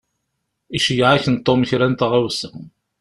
Iceyyeɛ-ak-n Tom kra n tɣawsa.